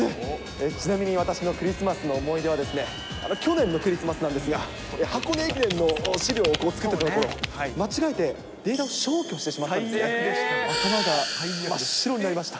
ちなみに私のクリスマスの思い出は、去年のクリスマスなんですが、箱根駅伝の資料を作っていたところ、間違えて、データを消去してしまって、頭が真っ白になりました。